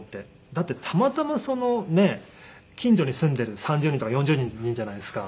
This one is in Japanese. だってたまたまそのねえ近所に住んでる３０人とか４０人じゃないですか。